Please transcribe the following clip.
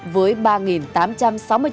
với ba tám trăm sáu mươi triệu vụ ngộ độc